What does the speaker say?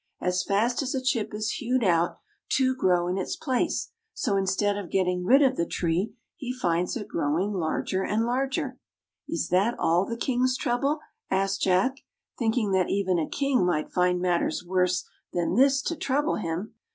As fast as a chip is hewed out, two grow in its place, so instead of getting rid of the tree, he finds it growingdarger and larger." "Is that all the King's trouble?" asked J ack, thinking that even a King might find matters worse than this to trouble him.